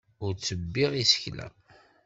Ur ttebbiɣ isekla.